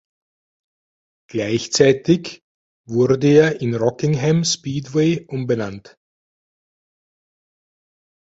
Gleichzeitig wurde er in Rockingham Speedway umbenannt.